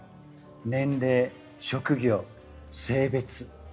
年齢職業性別。